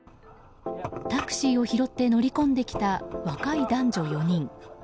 タクシーを拾って乗り込んできた若い男女４人。